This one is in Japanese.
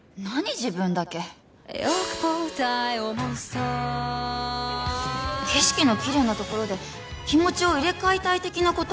自分だけ景色のキレイなところで気持ちを入れ替えたい的なこと？